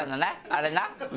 あれな！